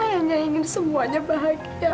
ayah ingin semuanya bahagia